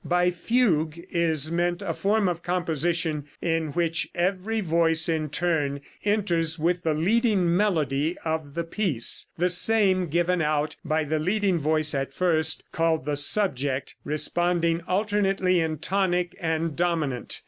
By "fugue" is meant a form of composition in which every voice in turn enters with the leading melody of the piece, the same given out by the leading voice at first, called the "subject," responding alternately in tonic and dominant.